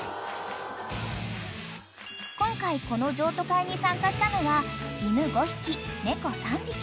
［今回この譲渡会に参加したのは犬５匹猫３匹］